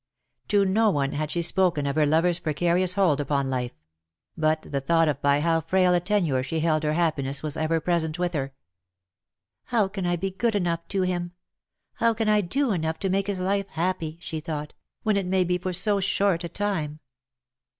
To no one had she spoken of her lo verb's precarious hold upon life; but the thought of by how frail a tenure she held her happiness was ever present with her. " How can I be good enough to him ?— how can I do enough to make his life happy '}" she though t_, ^'^when it may be for so short a time.